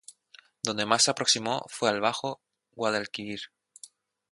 Donde más se aproximó fue al bajo Guadalquivir.